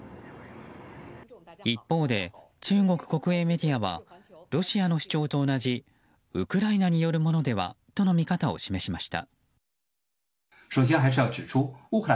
一方で中国国営メディアはロシアの主張と同じウクライナによるものではとの見方を示しました。